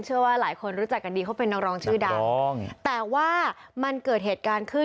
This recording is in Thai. เชื่อว่าหลายคนรู้จักกันดีเขาเป็นนักร้องชื่อดังแต่ว่ามันเกิดเหตุการณ์ขึ้น